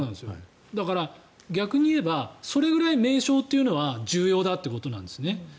だから、逆に言えばそれぐらい名称というのは重要だということなんですね。